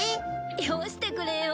よしてくれよ。